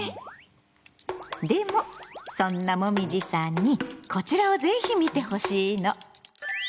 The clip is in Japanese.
でもそんなもみじさんにこちらをぜひ見てほしいの！